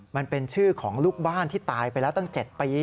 มันเป็นชื่อของลูกบ้านที่ตายไปแล้วตั้ง๗ปี